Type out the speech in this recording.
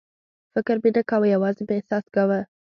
فکر مې نه کاوه، یوازې مې احساس کاوه.